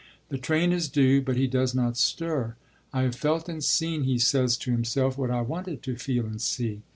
The train is due, but he does not stir. 'I have felt and seen,' he says to himself, 'what I wanted to feel and see.